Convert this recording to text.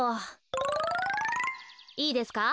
いいですか？